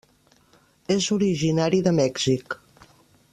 És originari de Mèxic.